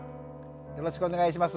よろしくお願いします。